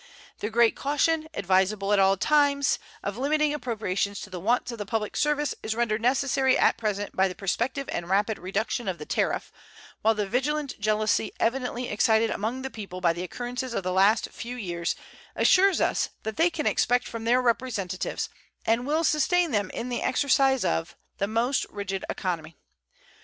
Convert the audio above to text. The great caution, advisable at all times, of limiting appropriations to the wants of the public service is rendered necessary at present by the prospective and rapid reduction of the tariff, while the vigilant jealousy evidently excited among the people by the occurrences of the last few years assures us that they expect from their representatives, and will sustain them in the exercise of, the most rigid economy.